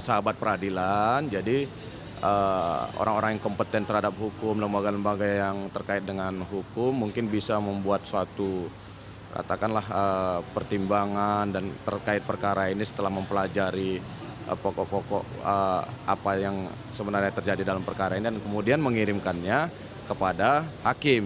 sahabat peradilan jadi orang orang yang kompeten terhadap hukum lembaga lembaga yang terkait dengan hukum mungkin bisa membuat suatu pertimbangan dan terkait perkara ini setelah mempelajari pokok pokok apa yang sebenarnya terjadi dalam perkara ini dan kemudian mengirimkannya kepada hakim